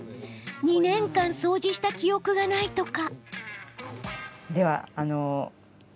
２年間掃除した記憶がないとか。